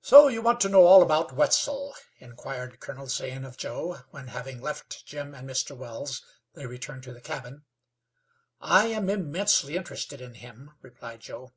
"So you want to know all about Wetzel?" inquired Colonel Zane of Joe, when, having left Jim and Mr. Wells, they returned to the cabin. "I am immensely interested in him," replied Joe.